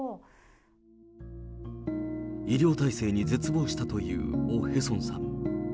医療体制に絶望したというオ・ヘソンさん。